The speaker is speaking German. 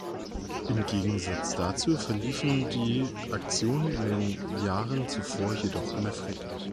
Im Gegensatz dazu verliefen die Aktionen in den Jahren zuvor jedoch immer friedlich.